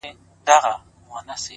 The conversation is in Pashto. • والله ه چي په تا پسي مي سترگي وځي ـ